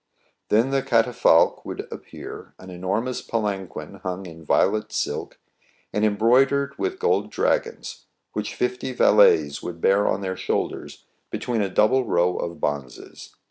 Then the catafalque would appear, an enormous palanquin hung in violet silk, and embroidered with gold dragons, which fifty valets would bear on their shoulders between a double row of bonzes.